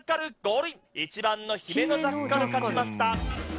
１番のヒメノジャッカル勝ちました。